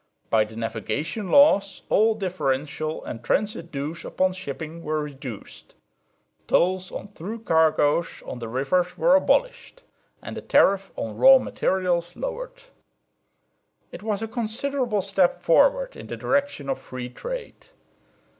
By the Navigation Laws all differential and transit dues upon shipping were reduced; tolls on through cargoes on the rivers were abolished, and the tariff on raw materials lowered. It was a considerable step forward in the direction of free trade.